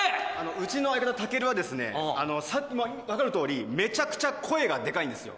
うちの相方たけるはですねわかるとおりめちゃくちゃ声がでかいんですよ